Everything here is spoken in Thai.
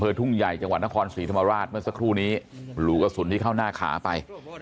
ทุ่งใหญ่จังหวัดนครศรีธรรมราชเมื่อสักครู่นี้หรูกระสุนที่เข้าหน้าขาไป